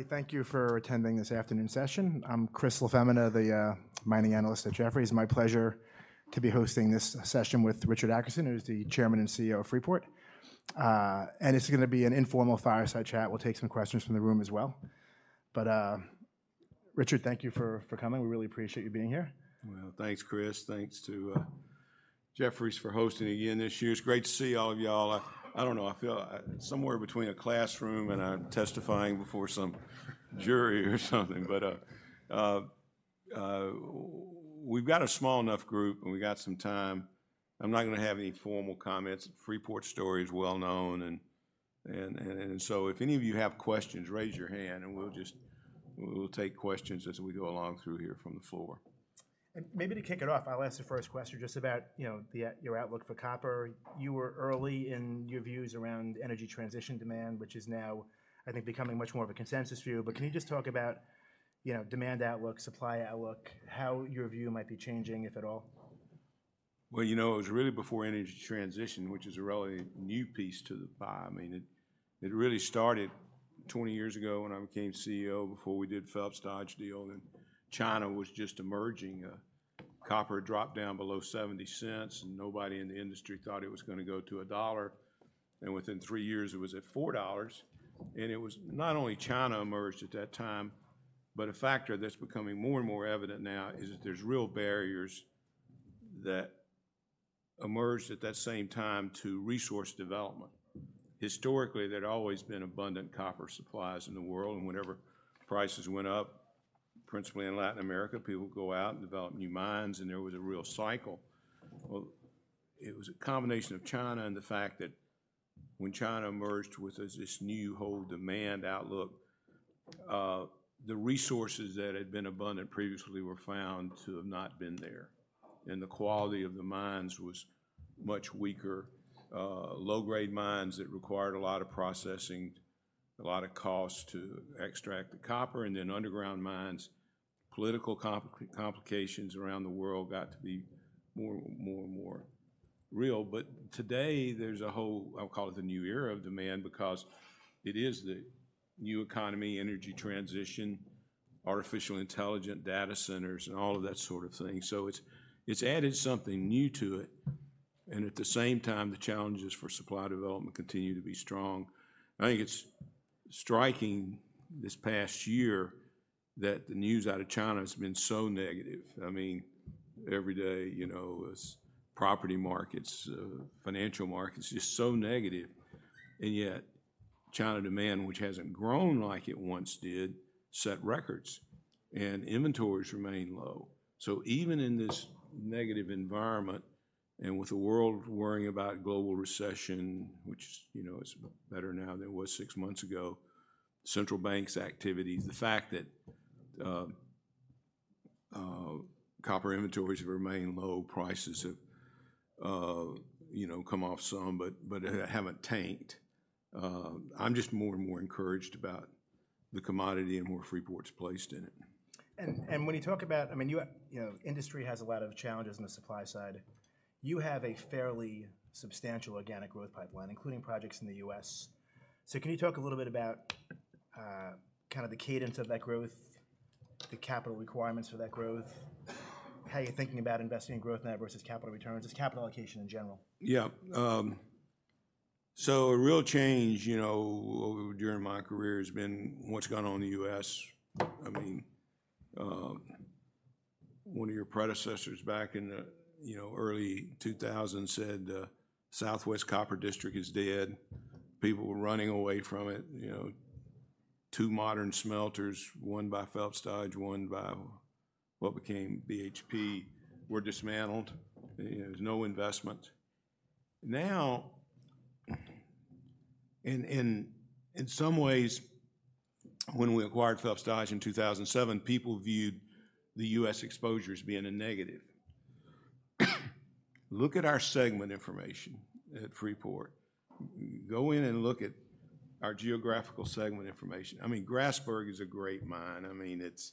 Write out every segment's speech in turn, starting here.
Everybody, thank you for attending this afternoon's session. I'm Chris LaFemina, the mining analyst at Jefferies. It's my pleasure to be hosting this session with Richard Adkerson, who's the Chairman and CEO of Freeport. And it's gonna be an informal fireside chat. We'll take some questions from the room as well. But Richard, thank you for coming. We really appreciate you being here. Well, thanks, Chris. Thanks to Jefferies for hosting again this year. It's great to see all of y'all. I, I don't know, I feel somewhere between a classroom and I'm testifying before some jury or something, but we've got a small enough group, and we've got some time. I'm not gonna have any formal comments. Freeport's story is well known, and, and, and so if any of you have questions, raise your hand, and we'll just-- we'll take questions as we go along through here from the floor. Maybe to kick it off, I'll ask the first question, just about, you know, the, your outlook for copper. You were early in your views around energy transition demand, which is now, I think, becoming much more of a consensus view. But can you just talk about, you know, demand outlook, supply outlook, how your view might be changing, if at all? Well, you know, it was really before energy transition, which is a really new piece to the pie. I mean, it really started 20 years ago when I became CEO, before we did Phelps Dodge deal, and China was just emerging. Copper dropped down below $0.70, and nobody in the industry thought it was gonna go to $1, and within three years it was at $4. And it was not only China emerged at that time, but a factor that's becoming more and more evident now is that there's real barriers that emerged at that same time to resource development. Historically, there'd always been abundant copper supplies in the world, and whenever prices went up, principally in Latin America, people would go out and develop new mines, and there was a real cycle. Well, it was a combination of China and the fact that when China emerged with this, this new whole demand outlook, the resources that had been abundant previously were found to have not been there. And the quality of the mines was much weaker. Low-grade mines that required a lot of processing, a lot of cost to extract the copper, and then underground mines. Political complications around the world got to be more, more and more real. But today there's a whole, I'll call it the new era of demand, because it is the new economy, energy transition, artificial intelligence data centers, and all of that sort of thing. So it's added something new to it, and at the same time, the challenges for supply development continue to be strong. I think it's striking this past year that the news out of China has been so negative. I mean, every day, you know, its property markets, financial markets, just so negative. And yet, China demand, which hasn't grown like it once did, set records, and inventories remain low. So even in this negative environment, and with the world worrying about global recession, which, you know, is better now than it was six months ago, central banks' activities, the fact that, copper inventories have remained low, prices have, you know, come off some, but I haven't tanked. I'm just more and more encouraged about the commodity and where Freeport's placed in it. I mean, you have, you know, industry has a lot of challenges on the supply side. You have a fairly substantial organic growth pipeline, including projects in the U.S. So can you talk a little bit about kind of the cadence of that growth, the capital requirements for that growth, how you're thinking about investing in growth now versus capital returns, just capital allocation in general? Yeah. So a real change, you know, over during my career has been what's gone on in the U.S. I mean, one of your predecessors back in the, you know, early 2000 said, "Southwest Copper District is dead." People were running away from it, you know. Two modern smelters, one by Phelps Dodge, one by what became BHP, were dismantled. There was no investment. Now, in, in, in some ways, when we acquired Phelps Dodge in 2007, people viewed the U.S. exposure as being a negative. Look at our segment information at Freeport. Go in and look at our geographical segment information. I mean, Grasberg is a great mine. I mean, it's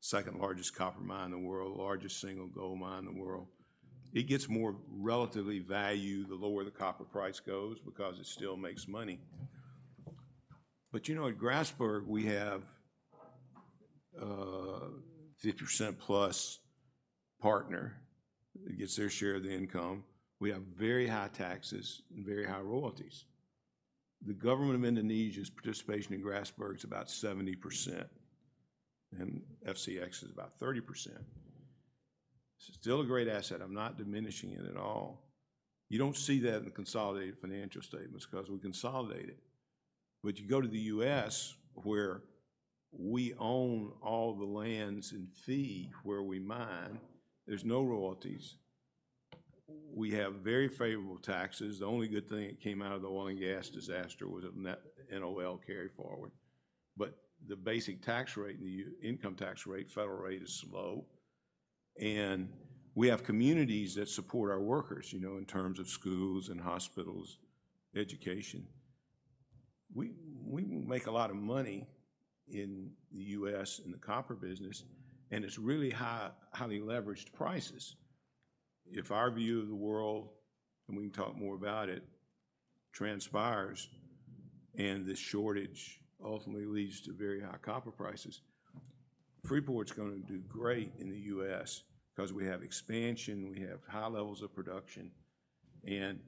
second largest copper mine in the world, largest single gold mine in the world. It gets more relatively valued the lower the copper price goes, because it still makes money. But, you know, at Grasberg, we have 50% plus partner that gets their share of the income. We have very high taxes and very high royalties. The government of Indonesia's participation in Grasberg is about 70%, and FCX is about 30%. It's still a great asset. I'm not diminishing it at all. You don't see that in the consolidated financial statements, 'cause we consolidate it. But you go to the U.S., where we own all the lands in fee where we mine, there's no royalties. We have very favorable taxes. The only good thing that came out of the oil and gas disaster was a net NOL carry forward. But the basic tax rate, the income tax rate, federal rate is low and we have communities that support our workers, you know, in terms of schools and hospitals, education. We make a lot of money in the U.S. in the copper business, and it's really highly leveraged prices... if our view of the world, and we can talk more about it, transpires, and the shortage ultimately leads to very high copper prices, Freeport's gonna do great in the U.S. because we have expansion, we have high levels of production, and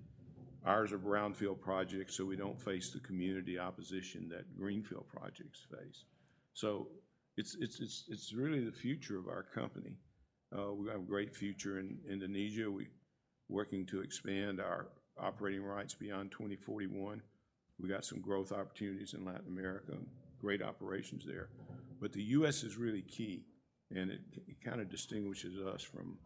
ours are brownfield projects, so we don't face the community opposition that greenfield projects face. So it's really the future of our company. We've got a great future in Indonesia. We're working to expand our operating rights beyond 2041. We got some growth opportunities in Latin America, great operations there. But the U.S. is really key, and it kinda distinguishes us from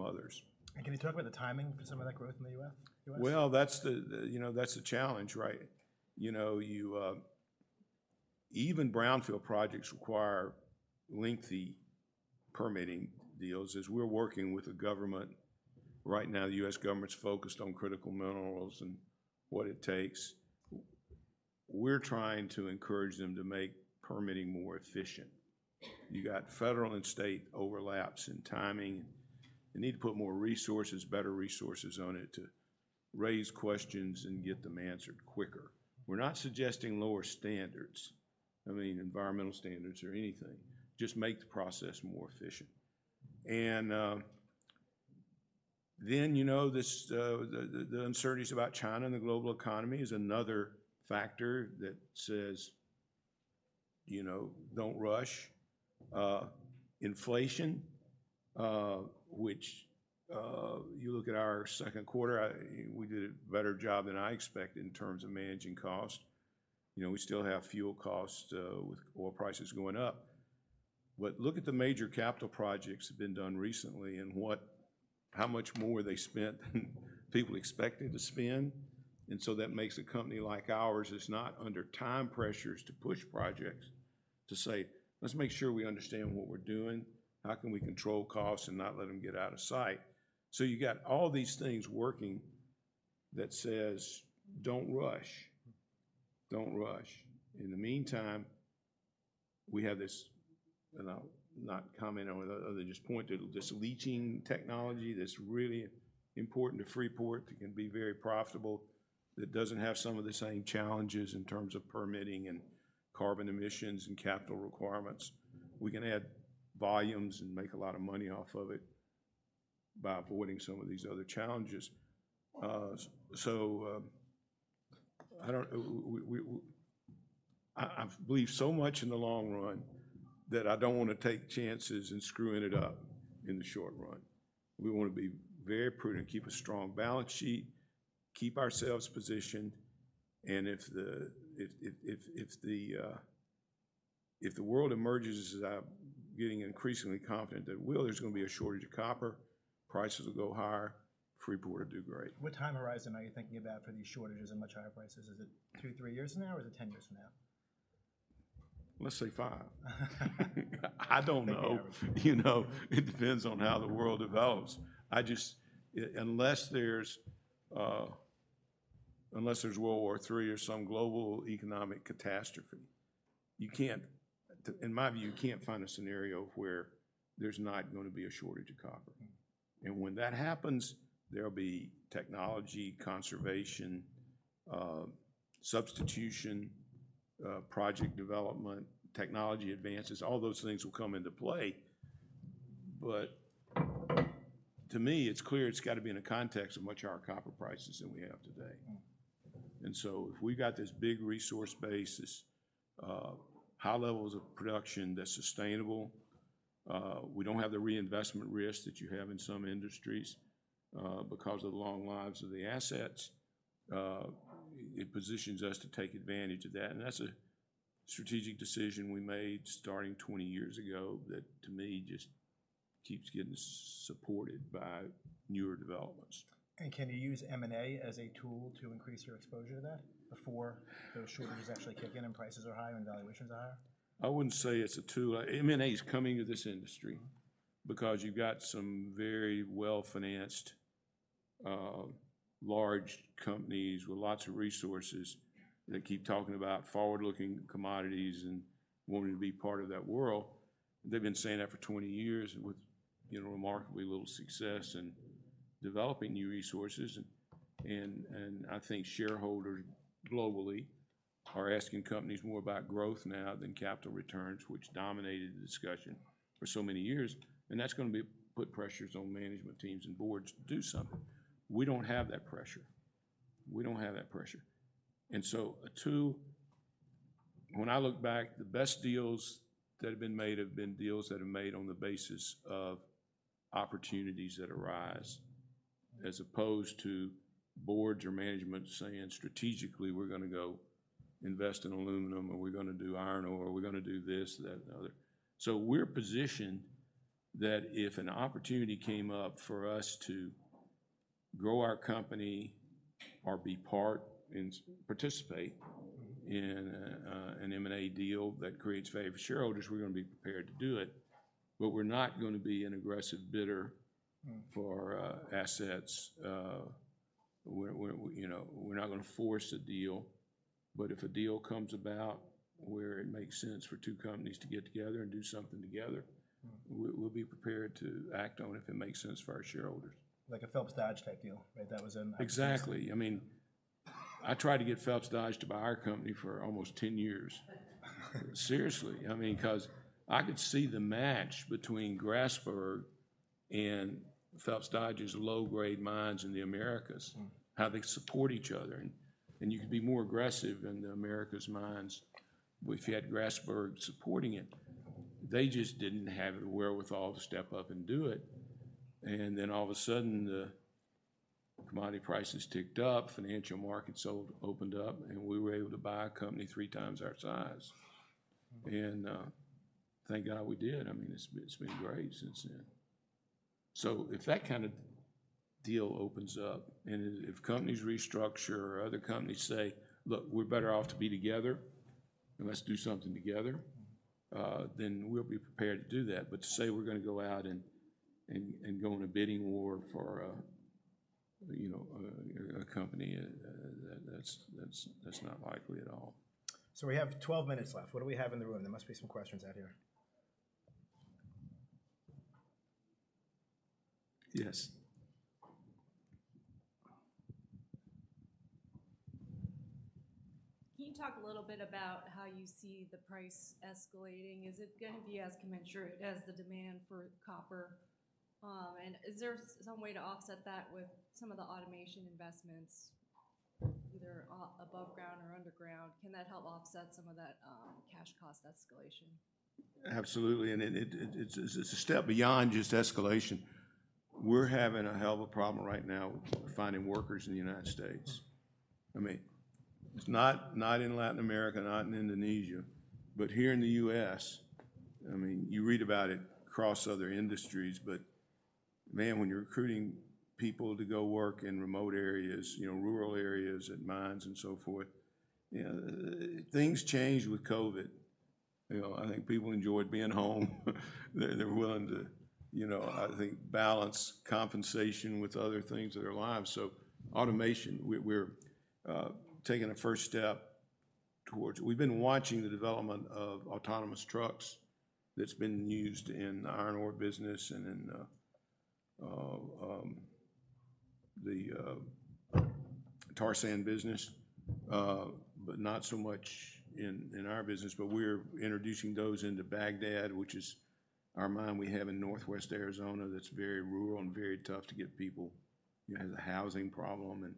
others. Can you talk about the timing for some of that growth in the U.S.? Well, that's the, you know, that's the challenge, right? You know, you... Even brownfield projects require lengthy permitting deals, as we're working with the government right now. The U.S. government's focused on critical minerals and what it takes. We're trying to encourage them to make permitting more efficient. You got federal and state overlaps in timing, and you need to put more resources, better resources on it to raise questions and get them answered quicker. We're not suggesting lower standards, I mean, environmental standards or anything, just make the process more efficient. You know, this, the uncertainties about China and the global economy is another factor that says, you know, "Don't rush." Inflation, which, you look at our second quarter, I... We did a better job than I expected in terms of managing costs. You know, we still have fuel costs with oil prices going up. But look at the major capital projects that have been done recently and how much more they spent than people expected to spend, and so that makes a company like ours that's not under time pressures to push projects, to say, "Let's make sure we understand what we're doing. How can we control costs and not let them get out of sight?" So you got all these things working that says, "Don't rush. Don't rush." In the meantime, we have this, and I'll not comment on it other than just point to this leaching technology that's really important to Freeport, that can be very profitable, that doesn't have some of the same challenges in terms of permitting and carbon emissions and capital requirements. We can add volumes and make a lot of money off of it by avoiding some of these other challenges. So, I believe so much in the long run that I don't wanna take chances in screwing it up in the short run. We wanna be very prudent, keep a strong balance sheet, keep ourselves positioned, and if the world emerges as I'm getting increasingly confident that it will, there's gonna be a shortage of copper, prices will go higher, Freeport will do great. What time horizon are you thinking about for these shortages and much higher prices? Is it two, three years from now, or is it 10 years from now? Let's say five. I don't know. Thank you. You know, it depends on how the world develops. Unless there's World War III or some global economic catastrophe, you can't, in my view, you can't find a scenario where there's not gonna be a shortage of copper. Mm. When that happens, there'll be technology, conservation, substitution, project development, technology advances, all those things will come into play but to me, it's clear it's gotta be in the context of much higher copper prices than we have today. Mm. And so if we've got this big resource base, this high levels of production that's sustainable, we don't have the reinvestment risk that you have in some industries, because of the long lives of the assets, it positions us to take advantage of that, and that's a strategic decision we made starting 20 years ago, that, to me, just keeps getting supported by newer developments. Can you use M&A as a tool to increase your exposure to that before those shortages actually kick in, and prices are higher and valuations are higher? I wouldn't say it's a tool. M&A is coming to this industry- Mm.... because you've got some very well-financed large companies with lots of resources that keep talking about forward-looking commodities and wanting to be part of that world. They've been saying that for 20 years, with, you know, remarkably little success in developing new resources. And I think shareholders globally are asking companies more about growth now than capital returns, which dominated the discussion for so many years, and that's gonna be put pressures on management teams and boards to do something. We don't have that pressure. We don't have that pressure. And so a tool, when I look back, the best deals that have been made have been deals that are made on the basis of opportunities that arise, as opposed to boards or management saying, "Strategically, we're gonna go invest in aluminum," or, "We're gonna do iron ore. We're gonna do this, that, and the other." So we're positioned that if an opportunity came up for us to grow our company or be part and participate- Mm-hmm.... in an M&A deal that creates value for shareholders, we're gonna be prepared to do it, but we're not gonna be an aggressive bidder- Mm... for assets... we, you know, we're not gonna force a deal, but if a deal comes about where it makes sense for two companies to get together and do something together- Mm. We'll be prepared to act on it if it makes sense for our shareholders. Like a Phelps Dodge type deal, right? That was in that- Exactly. I mean, I tried to get Phelps Dodge to buy our company for almost 10 years. Seriously. I mean, 'cause I could see the match between Grasberg and Phelps Dodge's low-grade mines in the Americas. Mm. How they support each other, and you could be more aggressive in the Americas mines if you had Grasberg supporting it. They just didn't have the wherewithal to step up and do it, and then all of a sudden, the commodity prices ticked up, financial markets opened up, and we were able to buy a company three times our size. And thank God we did. I mean, it's been great since then. So if that kind of deal opens up, and if companies restructure or other companies say, "Look, we're better off to be together and let's do something together"- Mm. Then we'll be prepared to do that. But to say we're gonna go out and go on a bidding war for a, you know, company, that's not likely at all. We have 12 minutes left. What do we have in the room? There must be some questions out here. Yes. Can you talk a little bit about how you see the price escalating? Is it gonna be as commensurate as the demand for copper? And is there some way to offset that with some of the automation investments, either above ground or underground? Can that help offset some of that, cash cost escalation? Absolutely, it's a step beyond just escalation. We're having a hell of a problem right now with finding workers in the United States. I mean, it's not in Latin America, not in Indonesia, but here in the U.S. I mean, you read about it across other industries, but, man, when you're recruiting people to go work in remote areas, you know, rural areas, and mines and so forth, you know, things changed with COVID. You know, I think people enjoyed being home. They're willing to, you know, I think, balance compensation with other things in their lives. So automation, we're taking a first step towards... We've been watching the development of autonomous trucks that's been used in the iron ore business and in the tar sand business, but not so much in our business. But we're introducing those into Bagdad, which is our mine we have in northwest Arizona that's very rural and very tough to get people. It has a housing problem,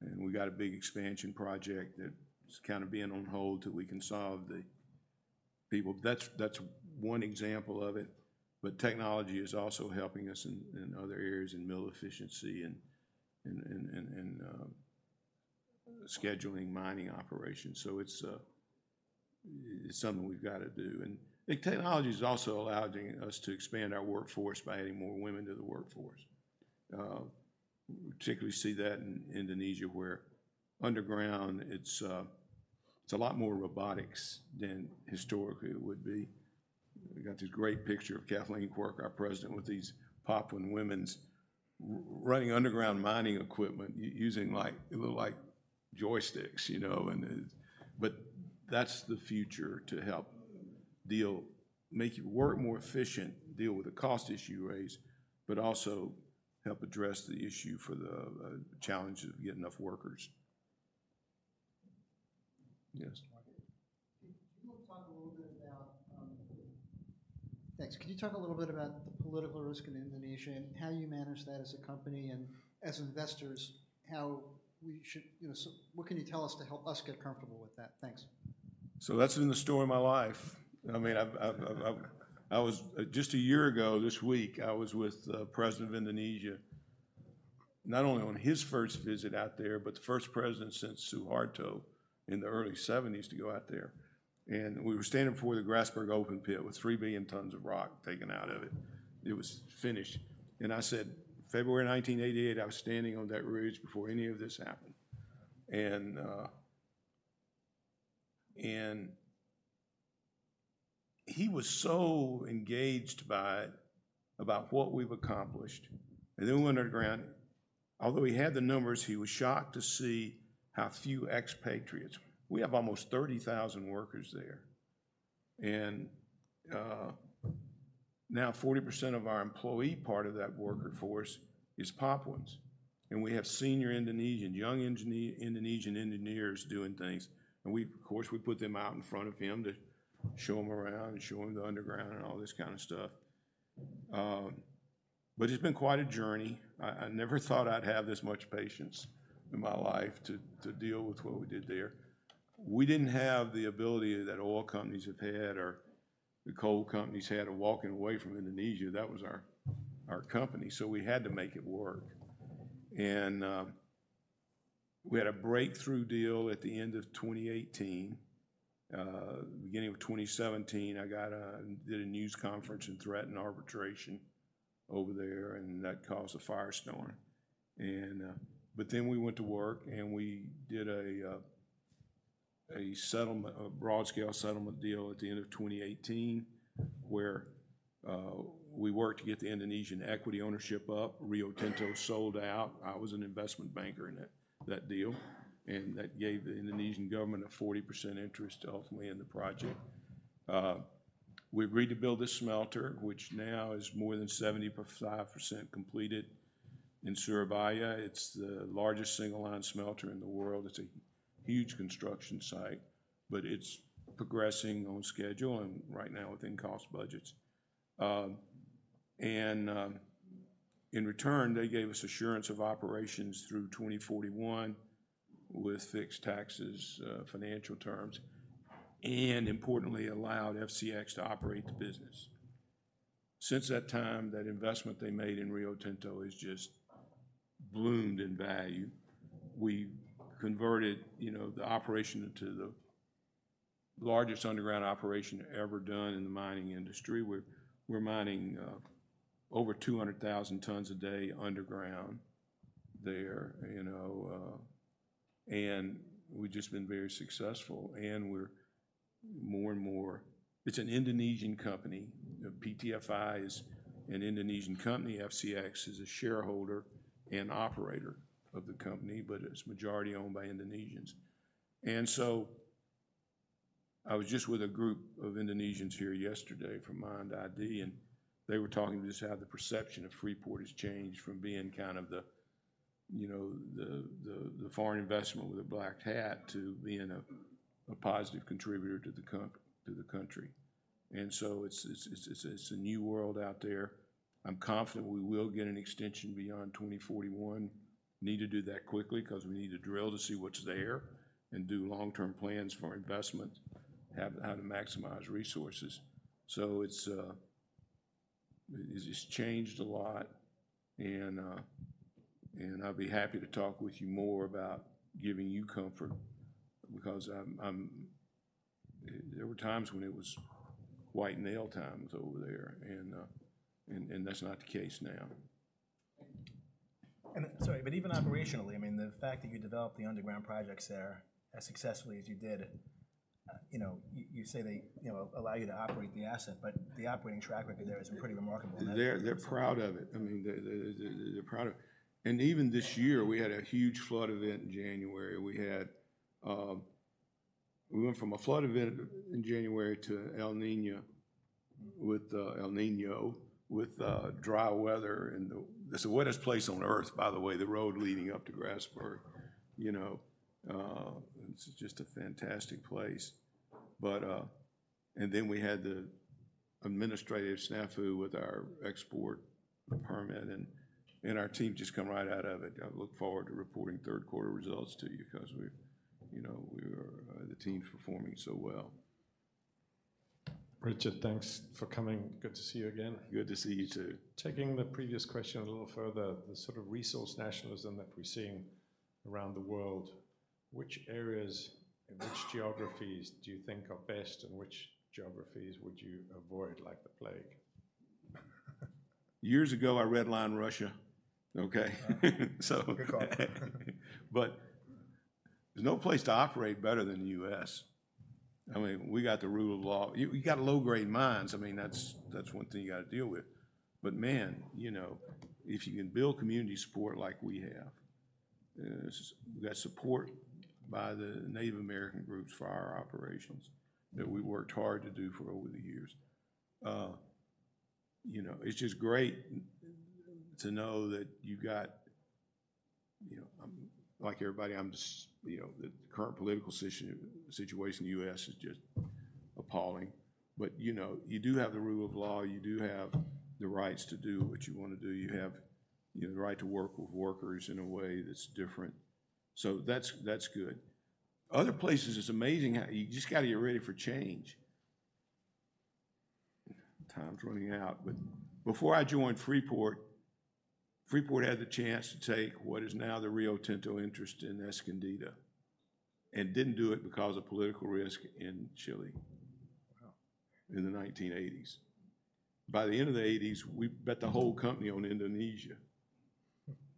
and we got a big expansion project that's kind of being on hold till we can solve the people. That's one example of it, but technology is also helping us in other areas, in mill efficiency and scheduling mining operations. So it's something we've gotta do. And the technology's also allowing us to expand our workforce by adding more women to the workforce. We particularly see that in Indonesia, where underground, it's a lot more robotics than historically it would be. We've got this great picture of Kathleen Quirk, our President, with these Papuan women running underground mining equipment, using, like, they look like joysticks, you know, and... But that's the future to help make your work more efficient, deal with the cost issue you raise, but also help address the issue for the challenge of getting enough workers. Yes? Can you talk a little bit about the political risk in Indonesia and how you manage that as a company, and as investors, how we should, you know, so what can you tell us to help us get comfortable with that? Thanks. That's been the story of my life. I mean, just a year ago this week, I was with the President of Indonesia, not only on his first visit out there, but the first president since Suharto in the early 1970s to go out there. We were standing before the Grasberg open pit with 3 billion tons of rock taken out of it. It was finished. I said, "February 1988, I was standing on that ridge before any of this happened." He was so engaged by it, about what we've accomplished. We went underground. Although he had the numbers, he was shocked to see how few expatriates. We have almost 30,000 workers there, and now 40% of our employee part of that worker force is Papuans. We have senior Indonesian, young Indonesian engineers doing things, and we, of course, put them out in front of him to show him around and show him the underground and all this kind of stuff. But it's been quite a journey. I never thought I'd have this much patience in my life to deal with what we did there. We didn't have the ability that oil companies have had or the coal companies had of walking away from Indonesia. That was our company, so we had to make it work. We had a breakthrough deal at the end of 2018. Beginning of 2017, I did a news conference and threatened arbitration over there, and that caused a firestorm. But then we went to work and we did a... A settlement, a broad scale settlement deal at the end of 2018, where we worked to get the Indonesian equity ownership up. Rio Tinto sold out. I was an investment banker in that, that deal, and that gave the Indonesian government a 40% interest ultimately in the project. We agreed to build this smelter, which now is more than 75% completed in Surabaya. It's the largest single line smelter in the world. It's a huge construction site, but it's progressing on schedule, and right now within cost budgets. In return, they gave us assurance of operations through 2041 with fixed taxes, financial terms, and importantly, allowed FCX to operate the business. Since that time, that investment they made in Rio Tinto has just bloomed in value. We converted, you know, the operation into the largest underground operation ever done in the mining industry. We're mining over 200,000 tons a day underground there, you know, and we've just been very successful, and we're more and more... It's an Indonesian company. PTFI is an Indonesian company. FCX is a shareholder and operator of the company, but it's majority owned by Indonesians. And so I was just with a group of Indonesians here yesterday from MIND ID, and they were talking just how the perception of Freeport has changed from being kind of the, you know, the foreign investment with a black hat to being a positive contributor to the country. And so it's a new world out there. I'm confident we will get an extension beyond 2041. Need to do that quickly 'cause we need to drill to see what's there and do long-term plans for investment, how to maximize resources. So it's just changed a lot and I'll be happy to talk with you more about giving you comfort because I'm... There were times when it was white male times over there, and that's not the case now. Sorry, but even operationally, I mean, the fact that you developed the underground projects there as successfully as you did, you know, you say they, you know, allow you to operate the asset, but the operating track record there has been pretty remarkable. They're, they're proud of it. I mean, they're proud of it. And even this year, we had a huge flood event in January. We had, we went from a flood event in January to El Niño with dry weather and it's the wettest place on earth, by the way, the road leading up to Grasberg. You know, it's just a fantastic place. But, and then we had the administrative snafu with our export permit, and, and our team just come right out of it. I look forward to reporting third quarter results to you 'cause we're, you know, we're, the team's performing so well. Richard, thanks for coming. Good to see you again. Good to see you, too. Taking the previous question a little further, the sort of resource nationalism that we're seeing around the world, which areas and which geographies do you think are best, and which geographies would you avoid like the plague? Years ago, I redlined Russia, okay? So- Good call.... But there's no place to operate better than the U.S. I mean, we got the rule of law. You got low-grade mines. I mean, that's one thing you gotta deal with. But, man, you know, if you can build community support like we have, we got support by the Native American groups for our operations that we worked hard to do for over the years. You know, it's just great to know that you got... You know, like everybody, I'm just, you know, the current political situation in the U.S. is just appalling. But, you know, you do have the rule of law, you do have the rights to do what you wanna do. You have, you know, the right to work with workers in a way that's different. So that's good. Other places, it's amazing how you just gotta get ready for change. Time's running out, but before I joined Freeport, Freeport had the chance to take what is now the Rio Tinto interest in Escondida, and didn't do it because of political risk in Chile- Wow.... in the 1980s. By the end of the 1980s, we bet the whole company on Indonesia.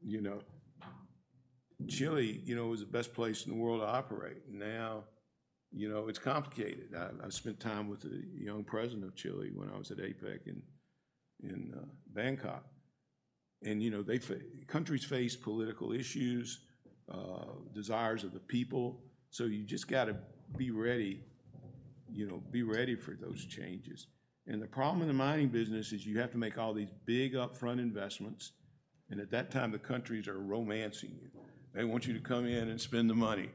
You know, Chile, you know, was the best place in the world to operate. Now, you know, it's complicated. I spent time with the young president of Chile when I was at APEC in Bangkok, and, you know, they countries face political issues, desires of the people, so you just gotta be ready, you know, be ready for those changes. And the problem in the mining business is you have to make all these big upfront investments, and at that time, the countries are romancing you. They want you to come in and spend the money,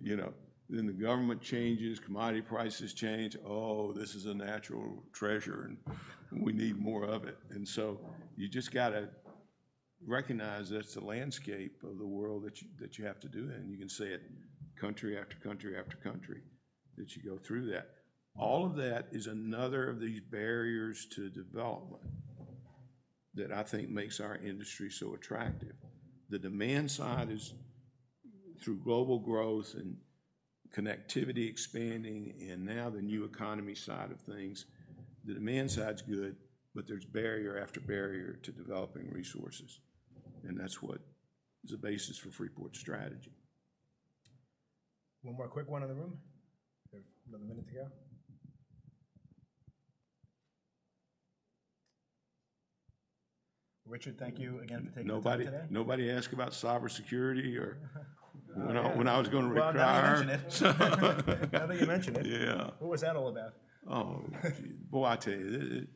you know. Then the government changes, commodity prices change, "Oh, this is a natural treasure, and we need more of it." And so you just gotta recognize that's the landscape of the world that you, that you have to do in. You can see it country after country after country, that you go through that. All of that is another of these barriers to development that I think makes our industry so attractive. The demand side is, through global growth and connectivity expanding, and now the new economy side of things, the demand side's good, but there's barrier after barrier to developing resources, and that's what is the basis for Freeport's strategy. One more quick one in the room. We have another minute to go. Richard, thank you again for taking the time today. Nobody, nobody asked about cybersecurity or when I was gonna retire? Well, now that you mention it. Now that you mention it- Yeah. What was that all about? Oh, gee. Well, I tell you, it,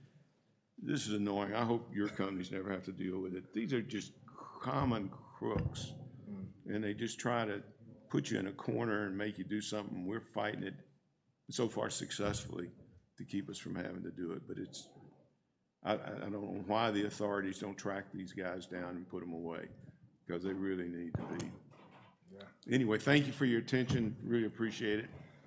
this is annoying. I hope your companies never have to deal with it. These are just common crooks- Mm.... and they just try to put you in a corner and make you do something. We're fighting it, so far successfully, to keep us from having to do it. But it's... I don't know why the authorities don't track these guys down and put them away, 'cause they really need to be. Yeah. Anyway, thank you for your attention. Really appreciate it.